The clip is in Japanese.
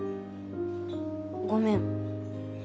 ごめん。